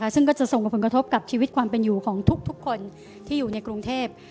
ซึ่งก็จะส่งผลกระทบกับชีวิตความเป็นอยู่ของทุกคนที่อยู่ในกรุงเทพ